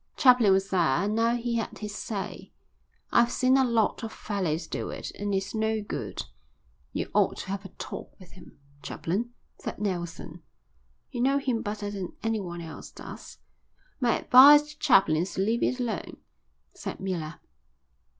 Chaplin was there, and now he had his say. "I've seen a lot of fellows do it, and it's no good." "You ought to have a talk with him, Chaplin," said Nelson. "You know him better than anyone else does." "My advice to Chaplin is to leave it alone," said Miller.